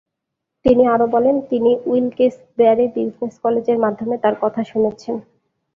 তিনি আরও বলেন, তিনি উইলকেস-ব্যারে বিজনেস কলেজের মাধ্যমে তার কথা শুনেছেন।